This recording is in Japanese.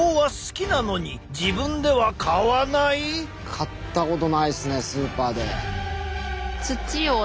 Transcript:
買ったことないっすねスーパーで。